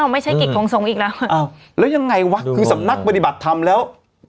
ไม่ใช่กิจของสงฆ์อีกแล้วอ้าวแล้วยังไงวะคือสำนักปฏิบัติธรรมแล้ว